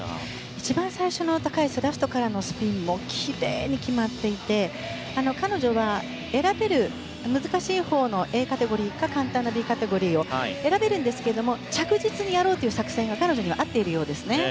一番最初の高いスラストからのスピンもきれいに決まっていて彼女が選べる難しいほうのＡカテゴリーか簡単なＢカテゴリーを選べるんですが着実にやろうという作戦が彼女には合っているようですね。